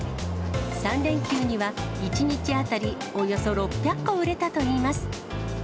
３連休には、１日当たりおよそ６００個売れたといいます。